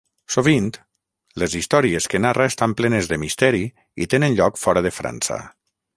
Sovint les històries que narra estan plenes de misteri i tenen lloc fora de França.